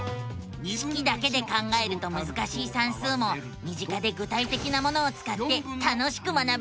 式だけで考えるとむずかしい算数も身近で具体的なものをつかって楽しく学べるのさ！